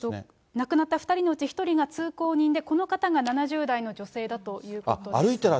亡くなった２人のうち１人が通行人で、この方が７０代の女性だということです。